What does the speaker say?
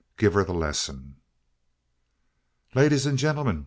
give her the lesson. "Ladies and gentlemen!"